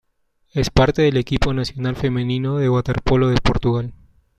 Es parte del equipo nacional femenino de waterpolo de Portugal.